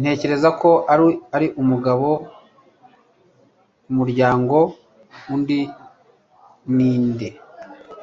"Ntekereza ko ari Mugabo ku muryango." "Undi ni nde?"